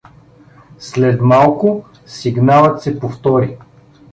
След малко сигналът се повтори.